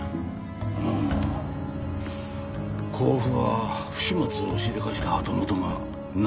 ああ甲府は不始末をしでかした旗本が流される所だ。